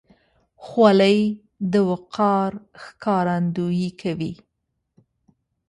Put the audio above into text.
خولۍ د وقار ښکارندویي کوي.